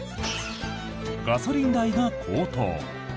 ガソリン代が高騰。